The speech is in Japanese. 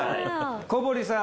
小堀さん